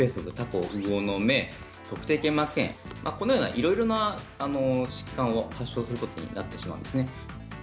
いろいろな疾患を発症することになってしまうんですね。